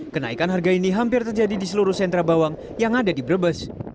kenaikan harga ini hampir terjadi di seluruh sentra bawang yang ada di brebes